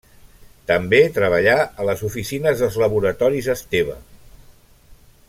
També treballà a les oficines dels Laboratoris Esteve.